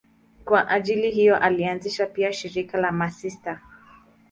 Kwa ajili hiyo alianzisha pia shirika la masista.